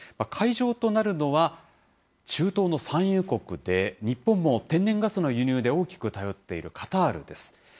会場となるのは、中東の産油国で、日本も天然ガスの輸入で大きく頼っているカタールです。